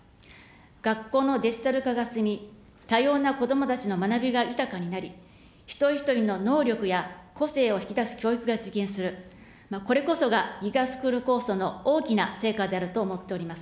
学校のデジタル化が進み、多様な子どもたちの学びが豊かになり、一人一人の能力や個性を引き出す教育が実現する、これこそがＧＩＧＡスクール構想の大きな成果であると思っております。